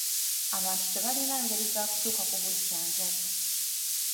Abantu tebalina ngeri za kutuuka ku bujjanjabi.